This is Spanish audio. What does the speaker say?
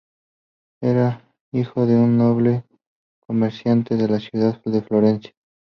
Era hijo de un noble comerciante de la ciudad de Florencia.